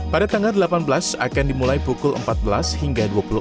pada tanggal delapan belas akan dimulai pukul empat belas hingga dua puluh empat